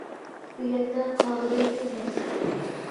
بۇ يەردە قاغىدىن كۆپ نەرسە يوق.